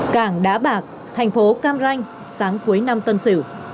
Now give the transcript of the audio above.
cảng đá bạc tp cam ranh sáng cuối năm tân sửu